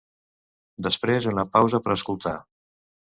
Després una pausa per escoltar